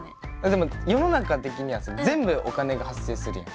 でも世の中的にはさ全部お金が発生するじゃん。